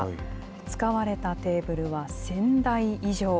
使われたテーブルは１０００台以上。